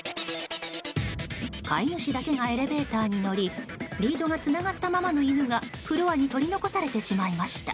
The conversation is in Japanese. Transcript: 飼い主だけがエレベーターに乗りリードがつながったままの犬がフロアに取り残されてしまいました。